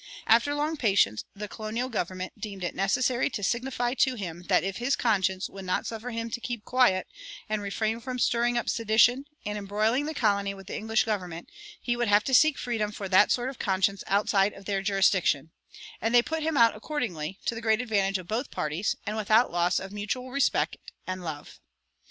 After long patience the colonial government deemed it necessary to signify to him that if his conscience would not suffer him to keep quiet, and refrain from stirring up sedition, and embroiling the colony with the English government, he would have to seek freedom for that sort of conscience outside of their jurisdiction; and they put him out accordingly, to the great advantage of both parties and without loss of mutual respect and love.